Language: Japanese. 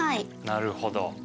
なるほど。